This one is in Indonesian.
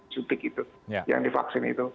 suntik itu yang divaksin itu